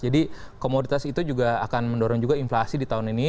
jadi komoditas itu juga akan mendorong juga inflasi di tahun ini